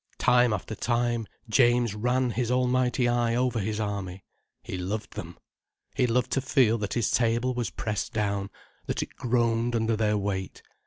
Time after time James ran his almighty eye over his army. He loved them. He loved to feel that his table was pressed down, that it groaned under their weight.